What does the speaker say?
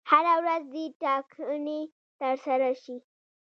هره ورځ دي ټاکنې ترسره شي.